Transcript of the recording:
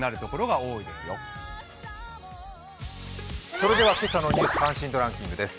それでは今朝の「ニュース関心度ランキング」です。